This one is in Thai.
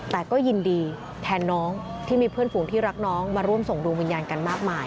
แต่ก็ยินดีแทนน้องที่มีเพื่อนฝูงที่รักน้องมาร่วมส่งดวงวิญญาณกันมากมาย